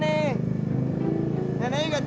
siapa ini siapa tadi